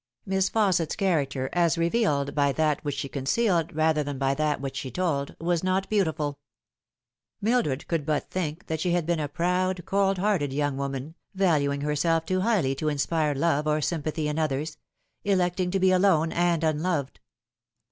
Miss Fausset's character, as revealed by that which she concealed rather than by that which she told, was not beautiful Mildred could but think that she had been a proud, cold hearted young woman, valuing herself too highly to inspire love or sympathy in others ; electing to be alone and unloved.